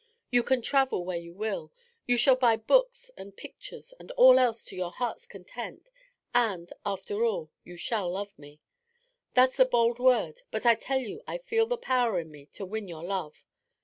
You shall travel where you will; you shall buy books and pictures, and all else to your heart's content; and, after all, you shall love me. That's a bold word, but I tell you I feel the power in me to win your love.